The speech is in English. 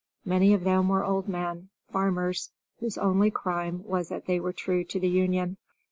Many of them were old men, farmers, whose only crime was that they were true to the Union.